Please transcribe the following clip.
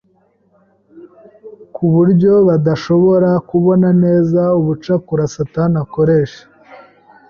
ku buryo badashobora kubona neza ubucakura Satani akoresha,